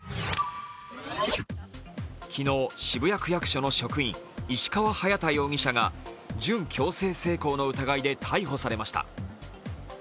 昨日、渋谷区役所の職員、石川隼大容疑者が準強制性交の疑いで逮捕されました。